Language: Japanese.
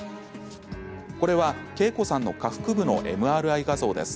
これは、けいこさんの下腹部のＭＲＩ画像です。